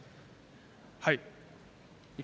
はい。